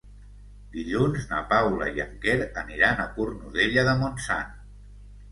Dilluns na Paula i en Quer aniran a Cornudella de Montsant.